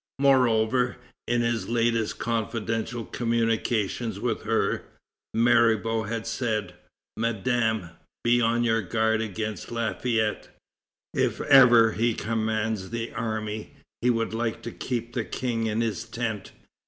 Moreover, in his latest confidential communications with her, Mirabeau had said: "Madame, be on your guard against Lafayette; if ever he commands the army, he would like to keep the King in his tent."